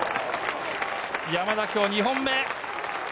山田、今日２本目。